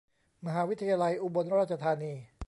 มหาวิทยาลัยอุบลราชธานี